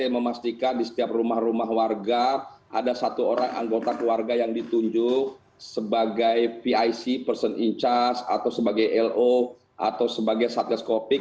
memastikan di setiap rumah rumah warga ada satu orang anggota keluarga yang ditunjuk sebagai pic person in charge atau sebagai lo atau sebagai satgas covid